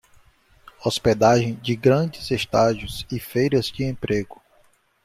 Hospedagem de grandes estágios e feiras de emprego